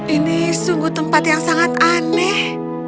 ini sungguh tempat yang sangat aneh